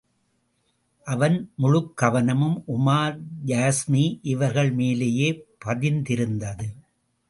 அவன் முழுக் கவனமும் உமார் யாஸ்மி இவர்கள் மேலேயே பதிந்திருந்தது.